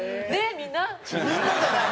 みんなじゃない。